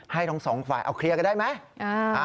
ทั้งสองฝ่ายเอาเคลียร์กันได้ไหม